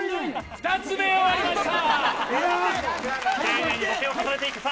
２つ目終わりました。